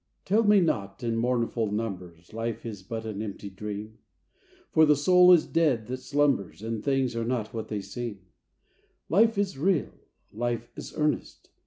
Tell me not, in mournful numbers, Life is but an empty dream ! For the soul is dead that slumbers. And things are not what they seem. Life is real ! Life is earnest